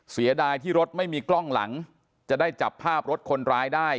เสียดายที่รถไม่มีกล้องหลังจะได้จับภาพรถคนร้ายได้